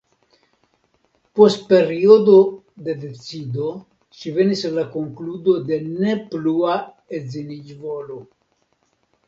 Post periodo de decido ŝi venis al la konkludo de ne plua edziniĝvolo.